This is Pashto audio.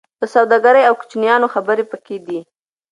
د سوداګرۍ او کوچیانو خبرې پکې دي.